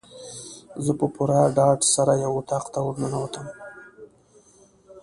زه په پوره ډاډ سره یو اطاق ته ورننوتم.